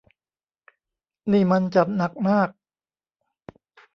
นี่มันจัดหนักมาก